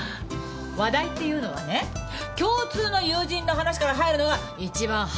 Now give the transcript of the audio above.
話題っていうのはね共通の友人の話から入るのがいちばん弾むのよ。